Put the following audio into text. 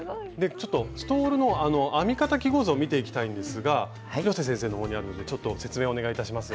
ちょっとストールの編み方記号図を見ていきたいんですが広瀬先生の方にあるのでちょっと説明をお願いいたします。